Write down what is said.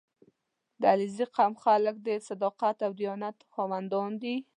• د علیزي قوم خلک د صداقت او دیانت خاوندان دي.